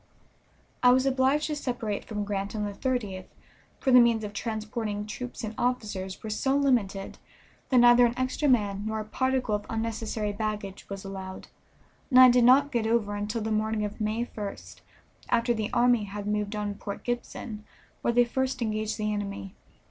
I was obliged to separate from Grant on the 30th, for the means for transporting troops and officers were so limited that neither an extra man nor a particle of unnecessary baggage was allowed, and I did not get over until the morning of May 1st, after the army had moved on Port Gibson, where they first engaged the enemy.